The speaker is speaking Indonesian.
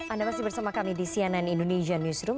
anda masih bersama kami di cnn indonesia newsroom